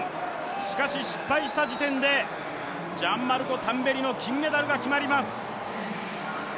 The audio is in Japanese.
しかし、失敗した時点でジャンマルコ・タンベリの金メダルが決まります。